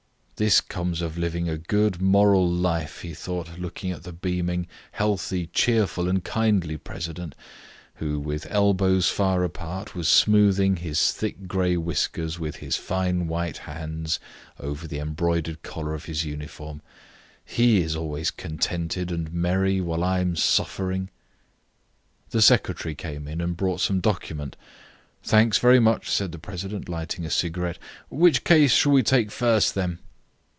"This comes of living a good, moral life," he thought, looking at the beaming, healthy, cheerful, and kindly president, who, with elbows far apart, was smoothing his thick grey whiskers with his fine white hands over the embroidered collar of his uniform. "He is always contented and merry while I am suffering." The secretary came in and brought some document. "Thanks, very much," said the president, lighting a cigarette. "Which case shall we take first, then?"